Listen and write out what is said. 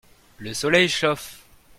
le soleil chauffe.